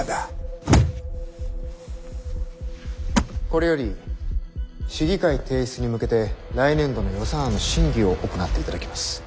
これより市議会提出に向けて来年度の予算案の審議を行っていただきます。